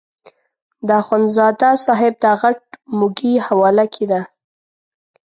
د اخندزاده صاحب دا غټ موږی حواله کېده.